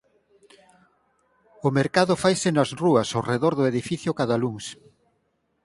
O mercado faise nas rúas ao redor do edificio cada luns.